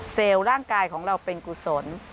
ร่างกายของเราเป็นกุศล